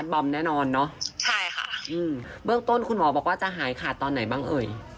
เบื้องต้นคุณหมอบอกว่าจะหายขาดตอนไหนบ้างเอ่ย